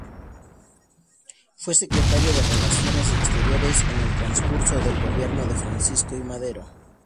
Fue Secretario de Relaciones Exteriores en el transcurso del gobierno de Francisco I. Madero.